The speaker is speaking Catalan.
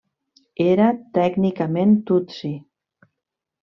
Era tècnicament tutsi.